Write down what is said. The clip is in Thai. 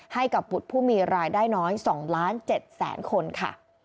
ให้กับบุตรผู้มีรายได้น้อย๒ล้าน๗แสนคนค่ะ